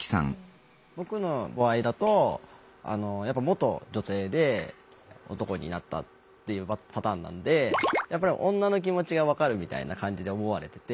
僕の場合だと元女性で男になったっていうパターンなんでやっぱり女の気持ちが分かるみたいな感じで思われてて。